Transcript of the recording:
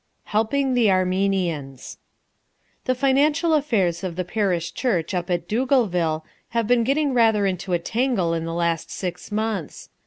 Helping the Armenians The financial affairs of the parish church up at Doogalville have been getting rather into a tangle in the last six months.